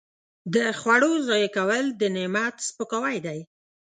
د خوړو ضایع کول د نعمت سپکاوی دی.